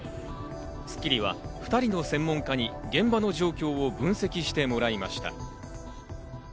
『スッキリ』は２人の専門家に現場の状況を分析してもらいました。